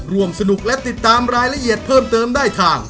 ร่วมสนุกและติดตามรายละเอียดเพิ่มเติมได้ทาง